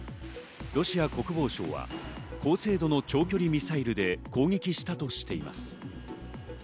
ロシア国防省は高精度の長距離ミサイルで攻撃したとしています。